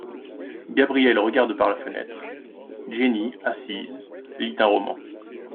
Gabrielle regarde par la fenêtre ; Jenny assise, lit un roman.